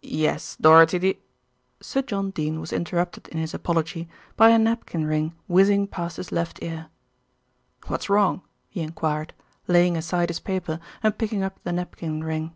"Yes, Dorothy de " Sir John Dene was interrupted in his apology by a napkin ring whizzing past his left ear. "What's wrong?" he enquired, laying aside his paper and picking up the napkin ring.